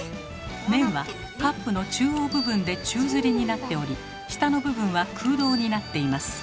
麺はカップの中央部分で宙づりになっており下の部分は空洞になっています。